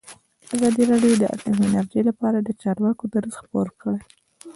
ازادي راډیو د اټومي انرژي لپاره د چارواکو دریځ خپور کړی.